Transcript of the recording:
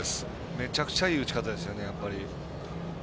めちゃくちゃいい打ち方ですよね。